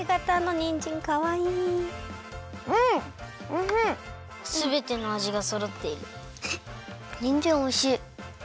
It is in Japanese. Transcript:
にんじんおいしい。